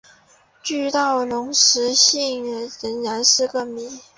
巨盗龙的食性仍然是个谜。